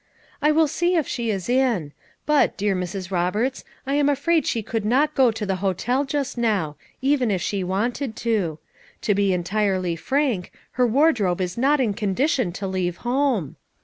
"I will see if she is in; but, dear Mrs. Rob* erts, I am afraid she could not go to the hotel just now, even if she wanted to ; to be entirely frank, her wardrobe is not in condition to leave home.